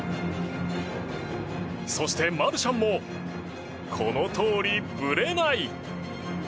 そして、マルシャンもこのとおり、ぶれない。